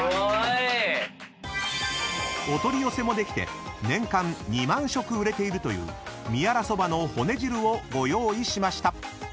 ［お取り寄せもできて年間２万食売れているという宮良そばの骨汁をご用意しました］